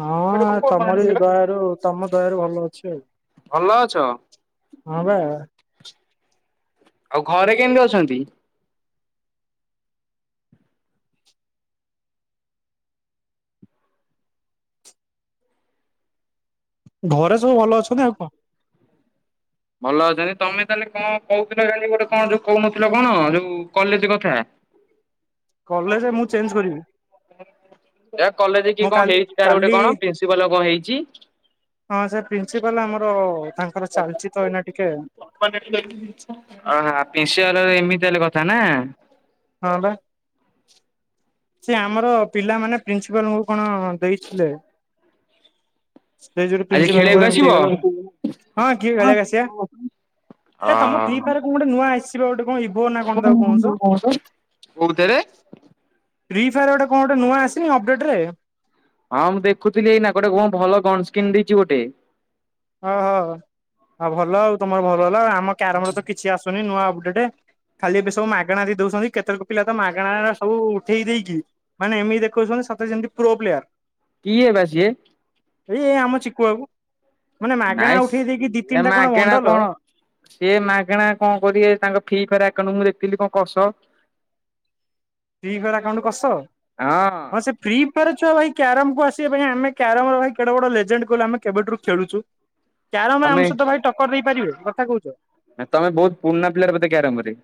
ହଁ ତମରି ଦୟାରୁ ତମ ଦୟାରୁ ଭଲ ଅଛି ଆଉ ଭଲ ଅଛ ହଁ ବା ଆଉ ଘରେ କେମିତି ଅଛନ୍ତି ଘରେ ସବୁ ଭଲ ଅଛନ୍ତି ଆଉ କଣ। ଭଲ ଅଛନ୍ତି ତମେ ତାହେଲେ କଣ କହୁଥିଲ କାଲି ଗୋଟେ କଣ ଯୋଉ କହୁନଥିଲ କଣ ଯୋଉ କଲେଜ କଥା [inaudible] କଲେଜ ମୁଁ ଚେଞ୍ଜ କରିବି। କଲେଜ କିଏ ମୁଁ କଣ କାଲି ହେଇଛି କାହାର ଗୋଟେ କାଲି କଣ ପ୍ରିନ୍ସିପାଲର କଣ ହେଇଛି। ହଁ ସେ ପ୍ରିନ୍ସିପାଲ ଆମର ତାଙ୍କର ଚାଲିଚ ତ ଏଇନା ଟିକେ ଅହ ପ୍ରିନ୍ସିପାଲ ର ଏମିତି ତାହେଲେ କଥା ନା ହଁ ବା ସେ ଆମର ପିଲାମାନେ ପ୍ରିନ୍ସିପାଲଙ୍କୁ କଣ ଦେଇଥିଲେ ଆଜି ପ୍ରିନ୍ସିପାଲ ର ଖେଳିବାକୁ ଏମତି ଆସିବ? ହେଇଗଲା ଆଉ ହଁ କି ଆସିବା ହଁ ଏ ତମ ଫ୍ରି ହଁ ହ ଫାୟାର କଣ ଗୋଟେ ନୂଆ ଆସିବା ଗୋଟେ କଣ ଇ କୋଉଥିରେ ଫ୍ରିଫାୟାର ଗୋଟେ କଣ ଗୋଟେ ନୂଆ ଆସିନି ଅପଡେଟ ରେ ହଁ ମୁଁ ଦେଖୁଥିଲି ଏଇନା ଗୋଟେ କଣ ଭଲ ଗନ୍ ସ୍କିନ୍ ଦେଇଛି ଗୋଟେ। ଓହୋ ଆଉ ଭଲ ଆଉ ତମର ଭଲ ହେଲା ଆମ କ୍ୟାରମରେ ତ କିଛି ଆସୁନି ନୂଆ ଅପଡେଟ ଖାଲି ଏବେ ସବୁ ମାଗଣା ଦେଇ ଦଉଛନ୍ତି କେତେକ ପିଲା ତ ମାଗଣା ସବୁ ଉଠେଇ ଦେଇକି ମାନେ ଏମିତି ଦେଖଉଛନ୍ତି ସତେ ଯେମିତି ପ୍ରୋ ପ୍ଲେୟାର କିଏ ବା ସିଏ ଏଇ ଆମ ଚିକୁ ବାବୁ ମାନେ ମାଗଣା ନାଇଁ ଉଠେଇ ଦେଇକି ଦି ଏ ତିନିଟା କଣ ମାଗେଣା ବଣ୍ଡଲ କଣ ସିଏ ମାଗଣା କଣ କରିବେ ତାଙ୍କ ଫ୍ରି ଫାୟାର ଆକାଉଣ୍ଟ ମୁଁ ଦେଖିଥିଲି କସ। [inaudible] ଫ୍ରି ଫାୟାର ଆକାଉଣ୍ଟ କସ। ହଁ ସେ ଫ୍ରି ଫାୟାର ଛୁଆ ଭାଇ କ୍ୟାରମ୍ କୁ ଆସିବା ପାଇଁ ଆମେ କ୍ୟାରମ୍ ରେ ଭାଇ କେଡେ ବଡ ଲେଜେଣ୍ଡ କହିଲୁ ଆମେ କେବେଠାରୁ ଖେଳୁଚୁ। ହ [inaudible] କ୍ୟାରମ୍ ରେ ଆମ ସହିତ ଭାଇ ଟକ୍କର ଦେଇପାରିବେ କଥା କହୁଚ। ନାଇଁ ତମେ ବହୁତ ପୁରୁଣା ପ୍ଲେୟର ବୋଧେ କ୍ୟାରମ ରେ?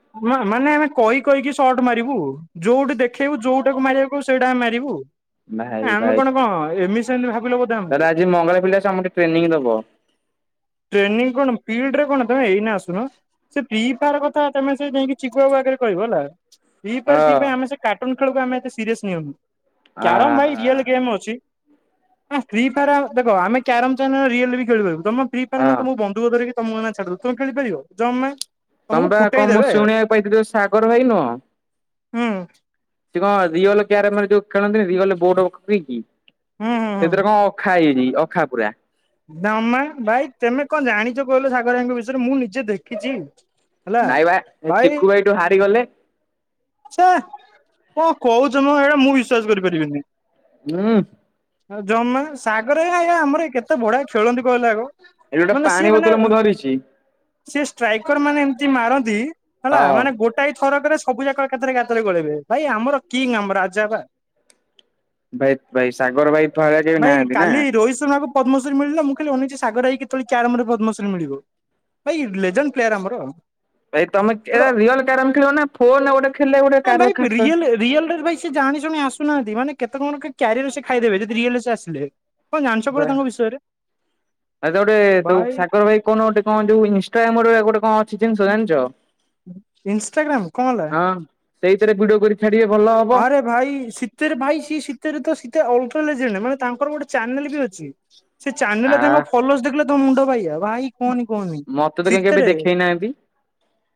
ମାନେ ଆମେ କହି କହିକି ସର୍ଟ ମାରିବୁ। ଯୋଉଠି ଦେଖେଇବୁ ଯୋଉଟାକୁ ମାରିବାକୁ କହିବୁ ସେଇଟା ଆମେ ମାରିବୁ। ଭାଇ ଆମେ ଭାଇ କଣ ଏମିତି ସେମିତି ଭାବିଲ ବୋଧେ ତାହେଲେ ଆମକୁ। ଆଜି ମଙ୍ଗଳ ପିଲା ସମସ୍ତେ ଟ୍ରେନିଂ ଦବ ଟ୍ରେନିଂ କଣ ଫିଲ୍ଡ ରେ କଣ ତମେ ଏଇନେ ଆସୁନ। ସେ ଫ୍ରି ଫାୟାର କଥା ତମେ ସେ ଯାଇଁକି ଚିକୁବାକୁ ଆଗରେ କହିବ ହେଲା। ଫ୍ରି ଫାୟାର ହଁ ଫ୍ରି ଫାୟାର ଆମେ ସେ କାର୍ଟୁନ ଖେଳକୁ ଆମେ ଏତେ ସିରିୟସ ନଉନୁ। ଆ କ୍ୟାରମ ଭାଇ ରିୟଲ ଗେମ୍ ଅଛି। ଫ୍ରି ଫାୟାର ଆମେ ଦେଖ ଆମେ କ୍ୟାରମ ଚାନେଲରେ ରିଅଲରେ ବି ଖେଳିପାରିବୁ। ତମେ ଫ୍ରି ଫାୟାର ଏଇନା ହଁ ତମକୁ ବନ୍ଧୁକ ଧରିକି ତମକୁ ଏଇନା ଛାଡି ଦେବୁ ତମେ ଖେଳିପାରିବ ଜମା। ତମକୁ ତମେ ବା ଫୁଟେଇ କଣ ମୁଁ ଦେବେ ଶୁଣିବାକୁ ପାଇଥିଲି ଯୋଉ ସାଗର ଭାଇ ନୁହଁ ହୁଁ। ସେ କଣ ରିଅଲ କ୍ୟାରମରେ ଯୋଉ ଖେଳନ୍ତିନି ରିଅଲ୍ ବୋଡ୍ ପକେଇକି ହୁଁ ହୁଁ ହୁଁ। ସେଥିରେ କଣ ଅଖା ହେଇଯାଇଚି ଅଖା ପୁରା। ଜମା ଭାଇ ତେମେ କଣ ଜାଣିଚ କହିଲ ସାଗର ଭାଇ ଙ୍କ ବିଷୟରେ ମୁଁ ନିଜେ ଦେଖିଚି। ନାଇଁ ବା ଚିକୁ ଭାଇଠୁ ହାରିଗଲେ। ଛେ କଣ କହୁଚ ମ ଏଟା ମୁଁ ବିଶ୍ଵାସ କରିପାରିବିନି। ହୁଁ ଜମା ସାଗର ଭାଇ ଆଜ୍ଞା ଆମର କେତେ ବଢିଆ ଖେଳନ୍ତି କହିଲେ ଆଗ। ଏଠି ଗୋଟେ ମାନେ ପାଣି ସିଏ ମାନେ ବୋତଲ ମୁଁ ଧରିଛି ସେ ଷ୍ଟ୍ରାଇକର ମାନେ ଏମତି ମାରନ୍ତି ହେଲା ହଁ ମାନେ ଗୋଟାଏ ଥରକରେ ସବୁ ଯାକ ଏକାଥରେ ଗାତ ରେ ଗଳେଇବେ। ଭାଇ ଆମର କିଙ୍ଗ ଆମର ରାଜା ପା। ଭାଇ ଭାଇ ସାଗର ଭାଇ ଭଳିଆ କେହି ଭାଇ ନାହାନ୍ତି ନା। [unintelligible] ପଦ୍ମଶ୍ରୀ ମିଳିଲା ମୁଁ ଖାଲି ଅନେଇଚି ସାଗର ଭାଇ କି କେତେବେଳେ କ୍ୟାରମ୍ ରେ ପଦ୍ମଶ୍ରୀ ମିଳିବ। ଭାଇ ଲେଜେଣ୍ଡ ପ୍ଲେୟାର ଆମର। ଭାଇ ତମେ ଗୋଟେ ଏରା ହଁ ରିଅଲ କ୍ୟାରମ୍ ଖେଳିବ ନା ଫୋନ ରେ ଗୋଟେ ଖେଳିଲେ ଗୋଟେ ହଁ କାର ଭାଇ [unintelligible] ଖାସ ରିଏଲେ। ରିଅଲ ରେ ଭାଇ ସେ ଜାଣି ଶୁଣି ଆସୁନାହାନ୍ତି। ମାନେ କେତେ କଣ କି କ୍ୟାରିଅର ସେ ଖାଇଦେବେ, ଯଦି ରିଏଲରେ ସେ ଆସିଲେ। କଣ ଜାଣିଛ [unintelligible] ପରା ତାଙ୍କ ବିଷୟରେ ଭାଇ ସାଗର ଭାଇ କଣ ଗୋଟେ କଣ ଯୋଉ ଇନଷ୍ଟାଗ୍ରାମ୍ ରେ ଗୋଟେ କଣ ଅଛି ଜିନିଷ ଜାଣିଚ? ଇନଷ୍ଟାଗ୍ରାମ କଣ ହେଲା? ହଁ। ସେଇଥିରେ ଭିଡ଼ିଓ କରି ଛାଡ଼ିବେ ଭଲ ହବ। ଆରେ ଭାଇ ସିତେ ରେ ଭାଇ ସିଏ ସିତେରେ ସିଏ ଅଲଗା ଲେଜେଣ୍ଡ। ମାନେ ତାଙ୍କର ଗୋଟେ ଚ୍ୟାନେଲ୍ ବି ଅଛି। ସେ ଚ୍ୟାନେଲ୍ ଆ ରେ ତାଙ୍କ ଫଲୋର୍ସ ଦେଖିଲେ ତମ ମୁଣ୍ଡ ବାଇଆ। ଭାଇ କୁହନି କୁହନି। ମତେ ତ କାଇଁ କେବେ ଦେଖେଇନାହାନ୍ତି।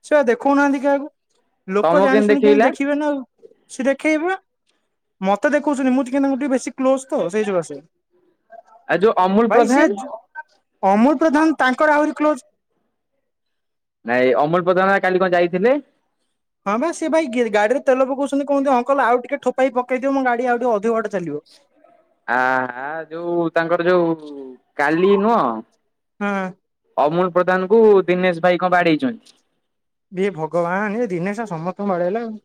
ସିଏ ବା ଦେଖଉନାହାନ୍ତି କାହାକୁ। ଲୋକ ତମକୁ ଜାଣି ଶୁଣି କେମିତି ଦେଖେଇଲା? ଦେଖିବେ ନା ଆଉ। ସେ ଦେଖେଇବ ନା। ମତେ ଦେଖଉଛନ୍ତି ମୁଁ ଟିକେ ତାଙ୍କୁ ଟିକେ ବେଶୀ କ୍ଲୋଜ୍ ତ ସେଇ ସକାସେ। ଆଉ ଯୋଉ ଅମୁଲ ଭାଇ ପ୍ରଧାନ ସିଏ ଅମଲ୍ ପ୍ରଧାନ ତାଙ୍କର ଆହୁରି କ୍ଲୋଜ୍। ନାଇଁ ଅମଲ୍ ପ୍ରଧାନ କାଲି କଣ ଯାଇଥିଲେ। ହଁ ବା ସିଏ ଭାଇ ଗାଡ଼ିରେ ତେଲ ପକଉଛନ୍ତି କୁହନ୍ତିି ଅଙ୍କଲ ଆଉ ଟିକେ ଠୋପାଏ ପକେଇ ଦିଅ ମୋ ଗାଡ଼ି ଆଉ ଟିକ ଅଧିକ ବାଟ ଚାଲିବ। [inaudible] ଆ ଆ ଯୋଉ ତାଙ୍କର ଯୋଉ କାଲି ନୁହଁ? ହଁ ଅମୁଲ ପ୍ରଧାନଙ୍କୁ ଦିନେଶ ଭାଇ କଣ ବାଡ଼େଇଛନ୍ତି। ଏ ଭଗବାନ ଏ ଦିନେଶା ସମସ୍ତଙ୍କୁ ବାଡ଼େଇଲା ଆଉ।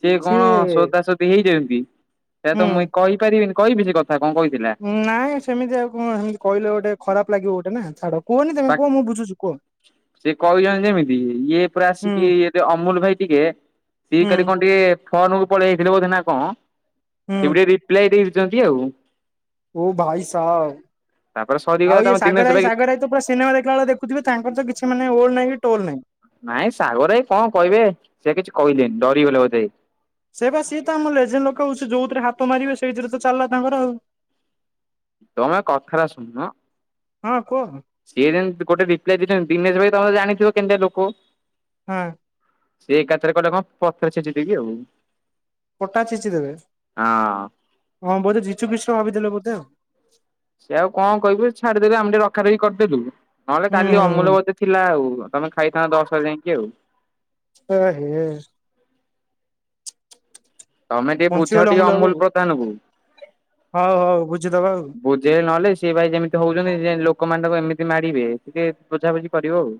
ସିଏ କଣ ସୋଦାସୋଦି ହେଇଛନ୍ତି ସେଟା ତ ହୁଁ। ମୁଇଁ କହିପାରିବିନି କହିବି ସେ କଥା କଣ କହିଥିଲା? ନାଇଁ ସେମିତି ଆଉ କଣ ସେମିତି କହିଲ ଗୋଟେ ଖରାପ ଲାଗିବ ଗୋଟେ ନା ଛାଡ଼ କୁହନି ତମେ ବା କୁହ ମୁଁ ବୁଝୁଛି କୁହ। ସେ କହିଛନ୍ତି ଯେମିତି ଇଏ ପୁରା ହୁଁ ଆସିକି ଇଏଟେ ଅମୁଲ ଭାଇ ଟିକେ ସିଏ ହୁଁ କାଲି କଣ ଟିକେ ଫୋନକୁ ପଳେଇ ଆଇଥିଲେ ବୋଧେ ନା କଣ ହୁଁ ସିଏ ଗୋଟେ ରିପ୍ଲାଇ ଦେଇଛନ୍ତି ଆଉ। ଓ ଭାଇ ସାହାବ୍ ତାପରେ ସରିଗଲା ଆଉ ତମ ଇଏ ସାଗର ଦିନେଶ ଭାଇ ସାଗର ଭାଇ ତ ପୁରା ସିନେମା ଦେଖିଲା ଭଳିଆ ଦେଖ ଦେଖୁଥିବେ ତାଙ୍କରତ କିଛି ମାନେ ଓଲ୍ ନାହିଁ କି ଟୋଲ ନାହିଁ। ନାଇଁ ସାଗର ଭାଇ କଣ କହିବେ ସେ କିଛି କହିଲେନି ଡରିଗଲେ ବୋଧେ? ସେ ବା ସିଏ ତ ଆମ ଲେଜେଣ୍ଟ ଲୋକ ହଉଛି ଯୋଉଥିରେ ହାତ ମାରିବେ ସେଇଥିରେ ତ ଚାଲିଲା ତାଙ୍କର ଆଉ। ତମେ କଥାଟା ଶୁଣୁନ। ହଁ କୁହ? ସିଏ ଯେମିତି ଗୋଟେ ରିପ୍ଲାଇ ଦେଇଛନ୍ତି ଦିନେଶ ଭାଇ ତମେ ଜାଣିଥିବ କେମିତିଆ ଲୋକ। ହଁ। ସେ ଏକାଥରେ କହିଲେ କଣ ପଥର ଛେଚିଦେବି ଆଉ। ପଟା ଛେଚି ଦେବେ ହଁ। ହଁ ବୋଧେ ଯୀଶୁ ଖ୍ରୀଷ୍ଟ ଭାବି ଦେଲେ ବୋଧେ ଆଉ। ସେ ଆଉ କଣ କହିବେ ଛାଡ଼ି ଦେଲେ ଆମେ ଟିକେ ରଖା ରଖି କରିଦେଲୁ। ନହେଲେ ହୁଁ କାଲି ହୁଁ ହୁଁ ଅମୁଲବୋଧେ ଥିଲା ଆଉ। ତମେ ଖାଇଥାନ୍ତ ଦଶରେ ଯାଇକି ଆଉ। ଏହେ। ତମେ ଟିକେ ବୁଝାଅ ବଞ୍ଚିଗଲୁ ଟିକେ ଅମୁଲ ବାବୁ ପ୍ରଧାନକୁ। ହଉ ହଉ ବୁଝିଦବା ଆଉ। ବୁଝେଇ ନହେଲେ ସିଏ ଭାଇ ଯେମିତି ହଉଛନ୍ତି ସିଏ ଲୋକମାନ ତାଙ୍କୁ ଏମିତି ମାରିବେ ଟିକେ ବୁଝାବୁଝି କରିବ ଆଉ।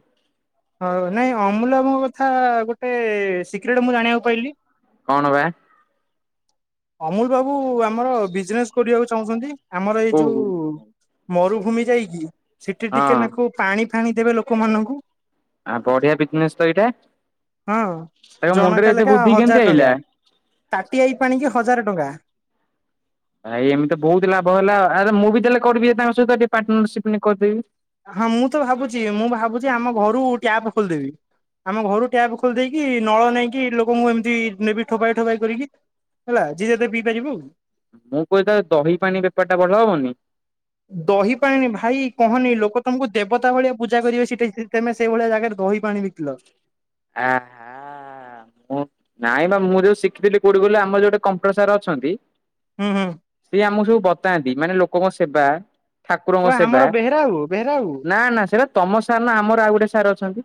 ହଉ ନାଇଁ ଅମୁଲମୋ କଥା ଗୋଟେ ସିକ୍ରେଟ ମୁଁ ଜାଣିବାକୁ ପାଇଲି। କଣ ବା? ଅମୁଲ ବାବୁ ଆମର ବିଜନେସ୍ କରିବାକୁ ଚାହୁଁଛନ୍ତି। ଆମର ଏଇ ଯୋଉ ଓହୋ ହଁ ମରୁଭୂମି ଯାଇକି ସେଠି ଟିକେ ଆଉ ନାକୁ ପାଣି ଫାଣି ଦେବେ ଲୋକମାନଙ୍କୁ। ବଢିଆ ବିଜନେସ ତ ଏଇଟା। ହଁ ତାଙ୍କ ମୁଣ୍ଡରେ ଜଣକା ଏତେ ଲେଖା ବୁଦ୍ଧି କେମିତି ହଜାର ଆଇଲା? ଟଙ୍କା। ତାଟିଆଇ ପାଣିକି ହଜାର ଟଙ୍କା। ଭାଇ ଏମିତି ବହୁତ ଲାଭ ହେଲା। ଆରେ ମୁଁ ବି ତାହେଲେ କରିବି ତାଙ୍କ ସହିତ ଟିକେ ପାର୍ଟନର ସିପିନ କରିପାରିବି। ହଁ ମୁଁ ତ ଭାବୁଛି ମୁଁ ଭାବୁଛି ଆମ ଘରୁ ଟ୍ୟାପ ଖୋଲିଦେବି। ଆମ ଘରୁ ଟ୍ୟାପ୍ ଖୋଲିଦେଇକି ନଳ ନେଇକି ଲୋକଙ୍କୁ ଏମିତି ନେବି ଠୋପାଏ ଠୋପାଏ କରିକି। ହେଲା ଯିଏଯେତେ ପିଇପାରିବ ଆଉ। ମୁଁ କହିଥାନ୍ତି ଦହି ପାଣି ବେପାର ଟା ଭଲ ହବନି? ଦହି ପାଣି ଭାଇ କହନି ଲୋକ ତମକୁ ଦେବତା ଭଳିଆ ପୂଜା କରିବେ ସେଠି ତେମେ ସ ସେଇ ଭଳିଆ ଜାଗାରେ ଦହି ପାଣି ବିକିଲ। ଆ। ମୁଁ ନାଇଁ ବା ମୁଁ ଯୋଉ ଶିଖିଥିଲି କୋଉଠି କହିଲ ଆମର ଯୋଉଠି କମ୍ପ୍ୟୁଟର ସାର୍ ଅଛନ୍ତି? ହୁଁ ହୁଁ। ସିଏ ଆମକୁ ସବୁ ବତାନ୍ତି ମାନେ ଲୋକଙ୍କ ସେବା ଓ ଠାକୁରଙ୍କ ସେବା ଆମର ବେହେରା ବାବୁ ବେହେରା ବାବୁ ନା ନା ସେଟା ତମ ସାର୍ ନା ଆମର ଆଉ ଗୋଟେ ସାର୍ ଅଛନ୍ତି।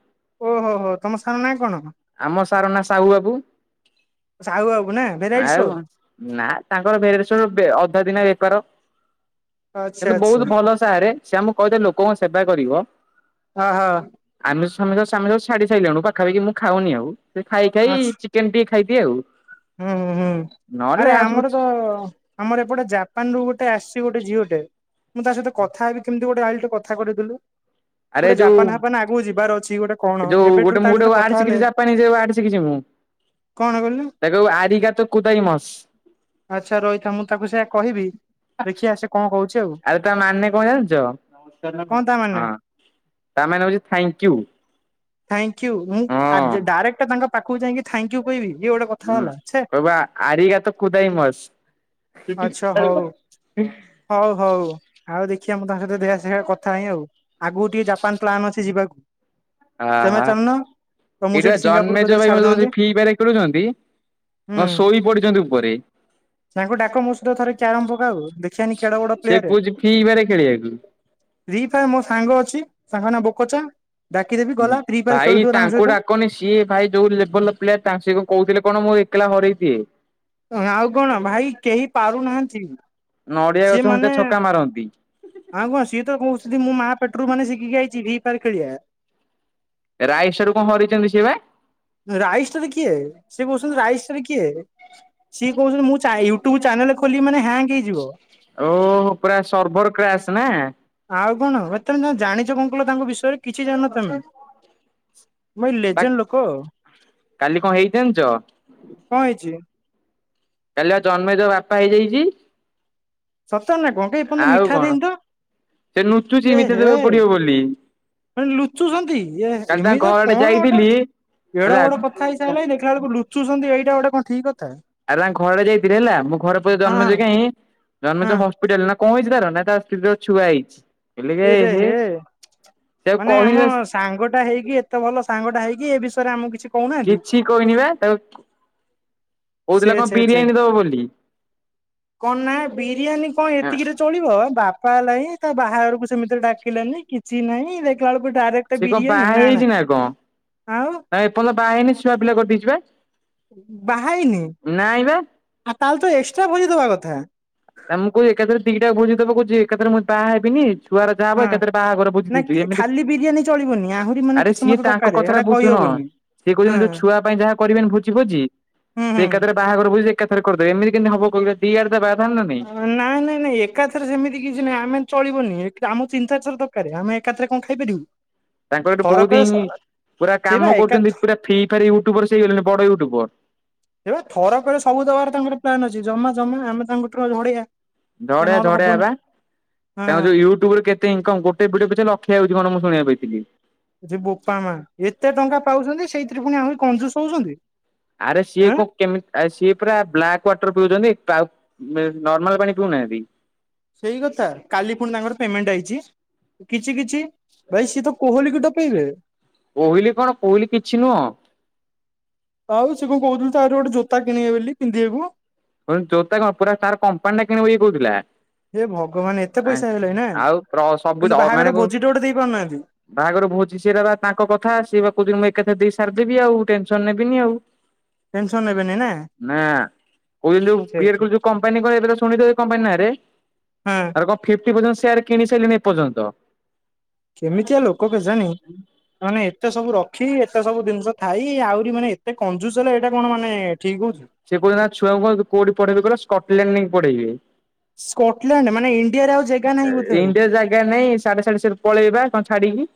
ଓହୋ ହୋ ତମ ସାର୍ ନାଁ କଣ? ତାଉ ବାବୁ ସାହୁ ବାବୁ ନା ଭେରାଇଟି ଆଉ ଷ୍ଟୋର କଣ? ନା ତାଙ୍କର ଭେରେବେସେରୁ ବେ ଅଧେ ଦିନେ ବେପାର ଆଚ୍ଛା କିନ୍ତୁ ବହୁତ ଆଚ୍ଛା ଭଲ ସ ସାରେ ସେଆମକୁ କହିଦେ ଲୋକଙ୍କ ସେବା କରିବ। ଅ ହ। ଆମେ ସମେଶ ସମେଶ ଛାଡି ସାଇଲୁଣି ପାଖାପାଖି ମୁଁ ଖାଉନି ଆଉ ସେ ଖାଇ ଖାଇ ଆଚ୍ଛା ଚି କେମିତି ଟିକେ ଖାଇଦିଏ ଆଉ। ହୁଁ ହୁଁ ନହେଲେ ଆରେ ଆଉ ସବୁ ଆମର ତ ଆମର ଏପଟେ ଜାପାନ ରୁ ଗୋଟେ ଆସିଛି ଗୋଟେଝିଅଟେ। ମୁଁ ତା ସହିତ କଥା ହେବି କେମିତି ଗୋଟେ ଆଇଲୁ ଟିକିଏ କଥା କରେଇଦେଲୁ? ଆରେ ଗୋଟେ ଯୋଉ ଜାପାନ ଫାପାନ ଆଗକୁ ଯିବାର ଅଛି ଗୋଟେ କଣ ଏ ଯୋଉ ଏବେଠାରୁ ଗୋଟେ ତା ମୁଁ ସହିତ ଗୋଟେ କଥା ୱାଡ ହେଲେ ଶିଖିଛି ଜାପାନି ୱାଡ ଶିଖିଛି ମୁଁ। କଣ କହିଲୁ ତାକୁ କହିବୁ ଆଡ଼ିକା ତୁ କୁଦାଇ ମସ। ଆଚ୍ଛା ରହିଥା ମୁଁ ତାକୁ ସେଇଆ କହିବି ଦେଖିଆ ସେ କଣ କହୁ ଆରେ ତା ମାନେ କଣ କଣ ତା ଜାଣିଛ? ମାନେ ତାମାନେ ହଉଛି ଥ୍ୟାଙ୍କ ୟୁ। ଥାଙ୍କୟୁ ମୁଁ ଆର୍ଜେ ଡାଇରେକ୍ଟ ତାଙ୍କ ପାଖକୁ ଯାଇକି ଥ୍ୟାଙ୍କ ୟୁ କହିବି ଇଏ ଗୋଟେ କଥା ହୁଁ ହେଲା ଛେ କହିବ ଆଡ଼ିଗାତ କୁଦାଇ ମସ୍। ସୁଟିଂ ଆଚ୍ଛା ହଉ ଆରେମା। ହଉ ହଉ ଆଉ ଦେଖିବା ମୁଁ ତାଙ୍କ ସହିତ ଦେଖିଆ ତାଙ୍କ ସହ କଥା ହୁଏ ଆଉ। ଆଗକୁ ଟିକେ ଜାପାନ ପ୍ଲାନ ଅଛି ଯିବାକୁ। ଆଁ ତମେ ଆ ଚାଲୁନ ତମକୁ ଏଇଟା ସେଇଠି ସିଙ୍ଗାପୁର ଜନ୍ମେଜୟ କତିରେ ଭାଇ ଯୋଉ ଛାଡିଦଅନ୍ତେ ଫ୍ରି ଫାୟାର ଖେଳୁଛନ୍ତି ହଁ ଶୋଇ ପଡିଛନ୍ତି ଉପରେ। ସାଙ୍ଗ ଡାକ ମୋ ସହିତ ଥରେ କ୍ୟାରମ ପକାଉ ଦେଖିୟାନି କେଡେ ବଡ ସେ ପ୍ଲେୟାର? କହୁଛି ଫ୍ରି ଫାୟାର ଖେଳିବାକୁ। ଫ୍ରି ଫାୟାର ମୋ ସାଙ୍ଗ ଅଛି ସାଙ୍ଗ ନାଁ ବୋକଚା ଡାକିଦେବି ଗଲା ଫ୍ରି ଫାୟାର ଭାଇ ଖେଳୁଥିବ ତାଙ୍କ ତାଙ୍କୁ ସହିତ। ଡାକନି ସିଏ ଭାଇ ଯୋଉ ଲେବଲ ପ୍ଲେୟାର ତାଙ୍କ ସ କଣ କହୁଥିଲେ କଣ ମୁଁ ଏକଲା ହରେଇ ଦିଏ? ଆଉ କଣ ଭାଇ କେହି ପାରୁନାହାନ୍ତି ନଡିଆ ଗଛ ସେ ମୂଳେ ମାନେ ଛକା ମାରନ୍ତି ଆଉ କଁ ସିଏ ତ କହୁଛନ୍ତି ମୁଁ ମା ପେଟରୁ ମାନେ ଶିଖିକି ଆଇଛି ହେଇପାରେ ଭି ଫାୟାର ଖେଳିଆ। ରାଇସାର୍ କୁ କଣ ହରେଛନ୍ତି ସେ ବା? ରାଇଷ୍ଟାର୍ କିଏ ସେ କହୁଛନ୍ତି ରାଇଷ୍ଟାର୍ କିଏ? ସିଏ କହୁଛନ୍ତି ମୁଁ ଚା ୟୁଟ୍ୟୁବ ଚ୍ୟାନେଲ ଖୋଲିବି ମାନେ ହ୍ୟାଙ୍ଗ ହେଇଯିବ। ଓହୋ ପୁରା ସର୍ଭର କ୍ରାସ୍ ନା। ଆଉ କଣ ତମେ ଜାଣିଛ କଣ କହିଲ ତାଙ୍କ ବିଷୟରେ କିଛି ଜାଣିନ ତମେ? ମୁ ଏଇ ବା ଲେଜେଣ୍ଟ ଲୋକ କାଲି କଣ ହେଇଛି ଜାଣିଛ? କଣ ହେଇଛି? କାଲି ପା ଜନ୍ମେଜୟ ବାପା ହେଇଯାଇଛି। ସତ ନା କଣ ବେ ଏ ପର୍ଯ୍ୟନ୍ତ ଆଉ ମିଠା କଣ ଦେଇନି ତ। ସେ ନୁଚୁଚି ଏ ମିଠା ହେ ଦେବାକୁ ପଡିବ ବୋଲି। ଲୁଚୁଛନ୍ତି ଏ କାଲି ତାଙ୍କ ଏମିତି ଘର ଆଡେ କଣ ଯାଇଥିଲି ଗୋଟେ ଏଡ ହେଲା ଆଉ ବଡ କ ଖାଇସାଇଲାଣୀ ଦେଖିଲା ବେଳକୁ ଲୁଚୁଛନ୍ତି ଏଇଟା ଗୋଟେ କଣ ଠିକ କଥା? ଆରେ ତାଙ୍କ ଘର ଆଡେ ଯାଇଥିଲି ହେଲା ମୁଁ ଘରେ ପଚାରିଲି ହଁ ଜନ୍ମଜୟ କାହିଁ ହଁ ଜନ୍ମଜୟ ହଶ୍ ପିଟାଲ୍ ନାଁ କଁ ହେଇଚି ତାର, ନାଁ ତା ସ୍ତ୍ରୀ ର ଛୁଆ ହେଇଚି। ଇଲେ କେ ଏରେ ଏହେ ହେ ସେ ଆଉ କହି ଦେସ୍ ତାଙ୍ଗଟା ହେଇକି ଏତେ ଭଲ ସାଙ୍ଗଟା ହେଇକି ଏ ବିଷୟରେ ଆମକୁ କିଛି କଉନାଆନ୍ତି। କି କଇନି ବା ତାଉ ସେ ଛେ ଛେ। ଦବ ବୋଲି କନ୍ ନାଁ ବିରିୟାନୀ କନ୍ ଏତିକିରେ ଚଳିବ ଆ ବାପା ଏଲାଇଁ ତା ବାହାଘର କୁ ସେମିତିରେ ଡାକିଲେନି କି ଚି ନେଇ ଦେକିଲା ବେଳକୁ ଡାଏରେକ୍ଟ୍ ସେ କଅଁ ବାଆ ହେଇଛି ନାଁ କଁ ଆଉ ନାଁ ଏପର୍ଯ୍ୟନ୍ତ ବାଆ ହେଇନି ଛୁଅପିଲା କର୍ଦେଇଛି ବା। ବାହାଇନି? ନାଁଇ ବା। ଆ ତାଏଲେ ତ ଏଷ୍ଟ୍ରା ଭୋଜି ଦବା କଥା। ନା ମୁଁ କୁଏ ଏକାଥରେ ଦିଟା ଭୁଜି ଦେବ କୁଛି ଏକାଥରେ ମୁଁ ବାଆ ହେବିନି। ତୁଆର ଯାଆ ହବ ହଁ ଏକାଥରେ ପାହାଘର ଭୁଜି ନା ଦୁଥିବି ଏମିତି ଖାଲି ବିରିୟାନୀ ଚଳିବନି ଆହୁରି ମାନେ ଆରେ କିଛି ସିଏ ମତେ ତାଙ୍କ ଦରକାର କଥାଟା ସେଇଟା ବୁଜୁନ। କହିହବନି ସିଏ ହଁ କଉଚନ୍ତି ଯୋଉ ଛୁଆ ପାଇଁ ଯାହା କରିବେନି ଭୋଜି ଫୋଜି ହୁଁ ସେ ଏକାଥରେ ହୁଁ ବାହାଘର ଭୋଜି ଏକାଥରେ କରଦେବେ ଏମିତି କେମତି ହବ କଉରା ଦି ଆଡ଼େ ବାଆଥାନ୍ତା ନାଁ ନାଇଁ। ନାଁ ନାଇଁ ନାଇଁ ଏକାଥରେ ସେମିତି କିଛି ନାଇଁ ଆମେ ଚଳିବନି ଏକ୍ ଆମଉ ଚୀନ୍ ଚାଏର୍ ଥର ଦରକାରେ ଆମେ ଏକାଥରେ କଁ ଖାଇପାରିବୁ। ତାଙ୍କର ଏଠୁ ବହୁତ୍ ଥରକରେ ଇଁ ପୁରା ସେଇବା କାମ ଏକା କରୁଚନ୍ତି ପୁରା ଫି ଫାରି ୟୁଟ୍ୟୁବର୍ ସେ ହେଇଗଲେଣି ବଡ଼ ୟୁଟ୍ୟୁବର୍। ଏବା ଥରକରେ ସବୁ ଦବାର ତାଙ୍କର ପ୍ଲାନ ଅଛି ଜମା ଜମା ଆମେ ତାଙ୍କଠୁ ଅ ଝଡ଼େଇଆ। ଝଡ଼େଆ ଝଡ଼େଆ ବା ହଁ ତାଙ୍କର ଯୋଉ ୟୁଟ୍ୟୁବରୁ କେ ତେ ଇନକମ୍ ଗୋଟେ ଭିଡ଼ିଓ ପିଛେ ଲକ୍ଷେ ଆଉଚି କଣ ମୁଁ ଶୁଣିଆକୁ ପାଇଥିଲି। ଯେ ବୋପା ମା ଏତେ ଟଙ୍କା ପାଉଚନ୍ତି ସେଇଥିରେ ପୁଣି ଆହୁରି କଂଜୁସ ହଉଚନ୍ତି। ଆରେ ସିଏ କୋ କେମିତ୍ ଆ ସିଏ ପରା ବ୍ଲାକ୍ ୱାଟର୍ ପିଉଚନ୍ତି ପାଉ ଏ ନର୍ମାଲ୍ ପାଣି ପିଉନାହାନ୍ତି। ସେଇ କଥା କାଲି ପୁଣି ତାଙ୍କର ପେମେଣ୍ଟ୍ ଆଇଚି। କିଛି କିଛି ଭାଇ ସିଏତ କୋହୋଲିକୁ ଟପେଇବେ। କୋହିଲି କଣ କୋଇଲି କିଛି ନୁଅଁ। ଆଉ ସେ କଣ କହୁଥିଲେ ତାର ଗୋଟେ ଜୋତା କିଣିବେ ବୋଲି ପିନ୍ଧିଆକୁ। ମୁଁ କହିଲି ଜୋତା କଣ ପୁରା ତାର୍ କମ୍ପାନୀ ଟା କିଣିବ ଇଏ କଉଥିଲା। ହେ ଭଗବାନ ଏତେ ଏଁ ପଇସା ହେଇଗଲାଣି ନା ଆଉ କ୍ର ସବୁ କିନ୍ତୁ ଦ ମାନେ ବାହାଘର କୁ ଭୋଜିଟେ ଗୋଟେ ଦେଇ ପାରୁନାହାନ୍ତି ବାହାଘର ଭୋଜି ସେରା ବା ତାଙ୍କ କଥା ସିଏ ବା କୋଉଚନ୍ତି ମୁଁ ଏକା ଥର୍ ଦେଇ ସାର୍ଦେବି ଆଉ ଟେନ୍ସନ୍ ନେବିନି ଆଉ। [inaudible] ଟେନ୍ସନ୍ ନେବେନି ନାଁ। ନା ଯୋଉ କହୁଛନ୍ତି ଇଏରେକରେ ଯୋଉ କମ୍ପାନୀ [unintelligible] ଶୁଣିଥିବ କମ୍ପାନୀ ନାଁରେ ହଁ ଆ ତ କଣ୍ ଫିଫ୍ଟି ପର୍ଯ୍ୟନ୍ତ୍ ସେୟାର୍ କିଣି ସାଇଲେଣିି ଏପର୍ଯ୍ୟନ୍ତ। କେମିତିଆ ଲୋକ କେଜାଣି। ମାନେ ଏତେ ସବୁ ରଖି ଏତେ ସବୁ ଜିନ୍ଷ ଥାଇ ଆହୁରି ମାନେ ଏତେ କଞ୍ଜୁସ୍ ହେଲେ ଏଇଟା କଣ ମାନେ ଠିକ୍ କଉଚ। ସେ କଉଥୁଲା ତା ଛୁଆକୁ କଁ କୋଉଠି ପଢ଼େଇବି କହିଲ ସ୍କଟଲେଣ୍ଡ୍ ନେଇକି ପଢ଼େଇବି। ସ୍କଟଲାଣ୍ଡ ମାନେ ଇଣ୍ଡିଆରେ ଆଉ ଜାଗା [inaudible] ନାହିଁ ଏଇ ବୋଧେ ଇଣ୍ଡିଆ ଜାଗା ନାଇଁସ ସେଆଡ଼େ ସେଆଡ଼େ ସେଆର୍ ପଳେଇବା କଣ୍ ଛାଡି଼କି।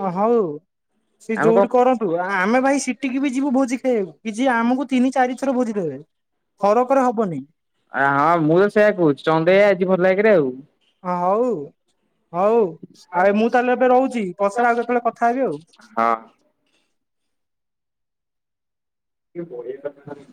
ହଁ ହଉ ସେ ଆମେ କଣ ଯୋଉଠି କରନ୍ ଉ ଆ ଆମେ ଭାଇ ସିଟିକି ବି ଯିବୁ ବୋଜି ଖାଇଆକୁ କିଛି ଆମକୁ ତିନି ଚାରି ଥର ଭୋଜି ଦେବେ। ଥରକରେ ହବନି। ଆ ହଁ ମୁଁ ତ ସେୟା କହୁଛି ଚନ୍ଦେଇ ଆଜି ଭଲା ଆକେରେ ଆଉ। ହଁ ହଉ ହଉ ଆରେ ମୁଁ ତାହେଲେ ଏବେ ରୋଉଚି ପଛରେ ଆଉ କେତେବେଳେ କଥା ହେବି ଆଉ। ହଁ। ଟିକେ ବଢେଇଥାନ୍ତ ଖାଲି।